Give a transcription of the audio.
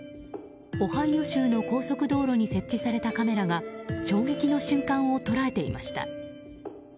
オハイオ州の高速道路に設置されたカメラが衝撃の瞬間を捉えていました。